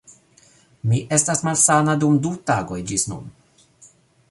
Mi estas malsana dum du tagoj ĝis nun